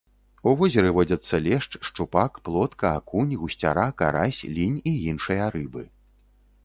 У возеры водзяцца лешч, шчупак, плотка, акунь, гусцяра, карась, лінь і іншыя рыбы.